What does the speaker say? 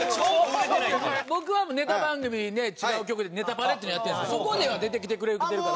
僕はネタ番組ね違う局で『ネタパレ』っていうのやってるんですけどそこでは出てきてくれてるから。